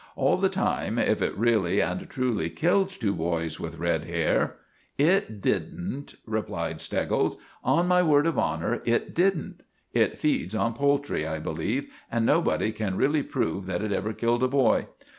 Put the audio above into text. All the same, if it really and truly killed two boys with red hair——" "It didn't," replied Steggles. "On my word of honour, it didn't. It feeds on poultry, I believe, and nobody can really prove that it ever killed a boy.